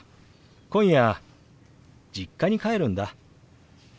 今夜実家に帰るんだ。